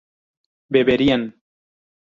beberían